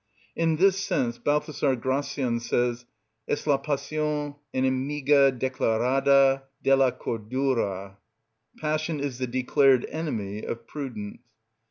In this sense Balthazar Gracian says: "Es la passion enemiga declarada de la cordura" (Passion is the declared enemy of prudence).